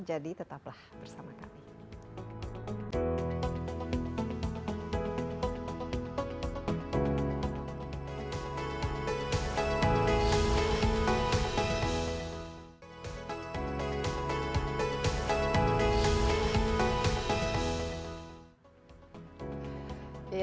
jadi tetaplah bersama kami